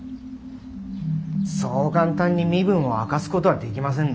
そう簡単に身分を明かすことはできませんな。